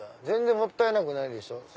全然もったいなくないでしょ！